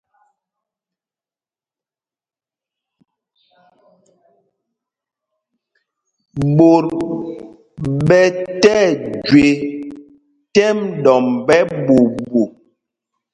Ɓot ɓɛ tí ɛjüe tɛ́m ɗɔmb ɛ́ɓuuɓu.